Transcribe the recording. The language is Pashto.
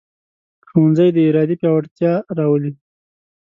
ښوونځی د ارادې پیاوړتیا راولي